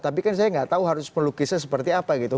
tapi kan saya nggak tahu harus melukisnya seperti apa gitu